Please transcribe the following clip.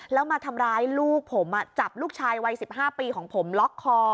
แล้วมาทำร้ายลูกผมจับลูกชายวัย๑๕ปีของผมล็อกคอ